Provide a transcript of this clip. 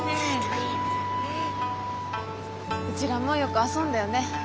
うちらもよく遊んだよね。